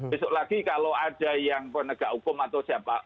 besok lagi kalau ada yang penegak hukum atau siapa